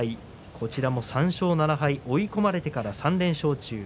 こちらも３勝７敗追い込まれてから３連勝中。